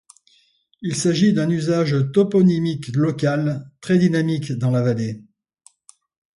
Il s’agit d’un usage toponymique local très dynamique dans la vallée.